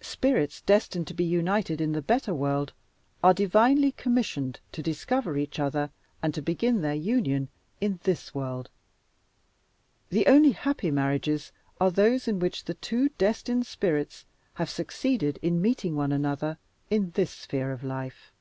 Spirits destined to be united in the better world are divinely commissioned to discover each other and to begin their union in this world. The only happy marriages are those in which the two destined spirits have succeeded in meeting one another in this sphere of life.